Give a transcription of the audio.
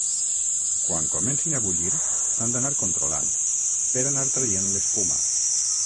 Quan comencin a bullir s’han d’anar controlant, per anar traient l’espuma.